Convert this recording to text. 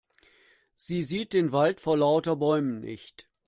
Sie sieht den Wald vor lauter Bäumen nicht.